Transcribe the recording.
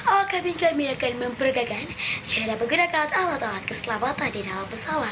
alah kami kami akan mempergakan cara menggunakan alat alat keselamatan di dalam pesawat